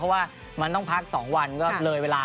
เพราะว่ามันต้องพัก๒วันก็เลยเวลา